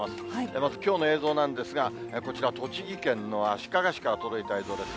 まず、きょうの映像なんですが、こちら栃木県の足利市から届いた映像です。